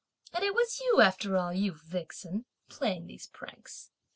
and it was you after all, you vixen, playing these pranks!"